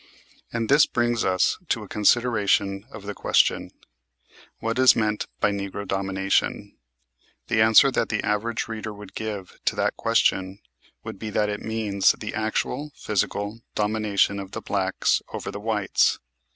And this brings us to a consideration of the question, What is meant by "Negro Domination?" The answer that the average reader would give to that question would be that it means the actual, physical domination of the blacks over the whites.